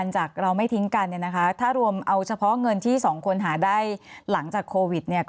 ใช่ไม่ถึงไม่ถึงแน่นอน